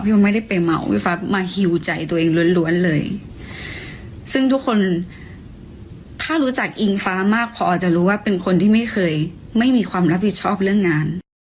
ไม่ได้ไปเหมาพี่ฟ้ามาฮิวใจตัวเองล้วนเลยซึ่งทุกคนถ้ารู้จักอิงฟ้ามากพอจะรู้ว่าเป็นคนที่ไม่เคยไม่มีความรับผิดชอบเรื่องงาน